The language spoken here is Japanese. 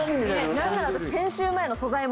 何なら私。